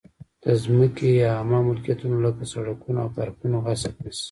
د ځمکې یا عامه ملکیتونو لکه سړکونه او پارکونه غصب نه شي.